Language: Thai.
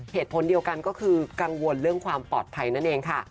เหตุผลเดียวกันก็คือกังวลเรื่องความปลอดภัยนั่นเองค่ะ